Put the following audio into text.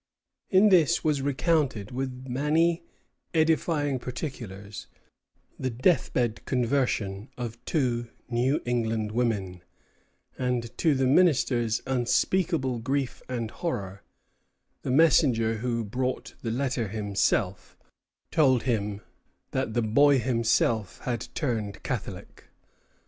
In this was recounted, with many edifying particulars, the deathbed conversion of two New England women; and to the minister's unspeakable grief and horror, the messenger who brought the letter told him that the boy himself had turned Catholic.